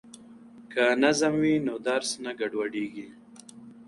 که نظم وي نو درس نه ګډوډیږي.